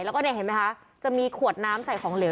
แล้วก็เนี่ยเห็นไหมคะจะมีขวดน้ำใส่ของเหลือง